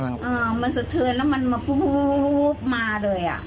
อ๋อมันเสทือนแล้วมันมาปุ๊บมาเลย